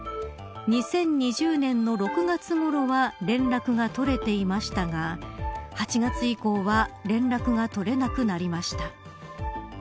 ２０２０年の６月ごろは連絡が取れていましたが８月以降は連絡が取れなくなりました。